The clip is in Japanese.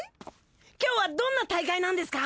今日はどんな大会なんですか？